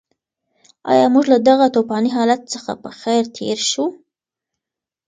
ایا موږ له دغه توپاني حالت څخه په خیر تېر شوو؟